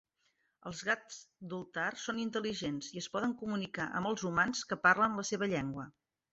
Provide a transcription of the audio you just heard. Els gats d'Ulthar són intel·ligents i es poden comunicar amb els humans que parlen la seva llengua.